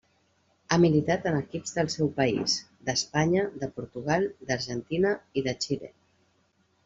Ha militat en equips del seu país, d'Espanya, de Portugal, d'Argentina i de Xile.